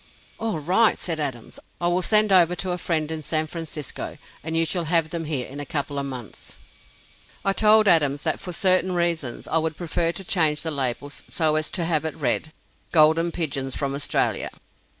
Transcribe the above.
"All right," said Adams; "I will send over to a friend in San Francisco, and you shall have them here in a couple of months." I told Adams that, for certain reasons, I would prefer to change the label so as to have it read: "Golden Pigeons from Australia."